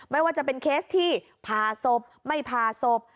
ไม่ว่าจะเป็นเคสที่ผ่าศพไม่ผ่าศพ